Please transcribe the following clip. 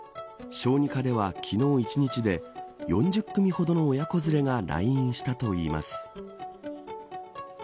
小児科では昨日一日で４０組ほどの親子連れが来院したといいます。